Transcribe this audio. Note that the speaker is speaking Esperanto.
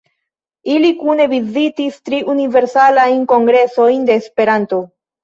Ili kune vizitis tri Universalajn Kongresojn de Esperanto.